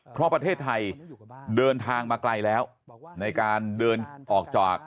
เพราะประเทศไทยเดินทางมาไกลแล้วในการเดินออกจาก